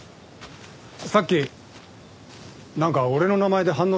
さっきなんか俺の名前で反応してましたけど。